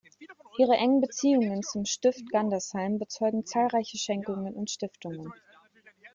Ihre engen Beziehungen zum Stift Gandersheim bezeugen zahlreiche Schenkungen und Stiftungen.